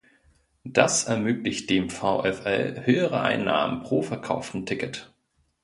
Das ermöglicht dem VfL höhere Einnahmen pro verkauftem Ticket.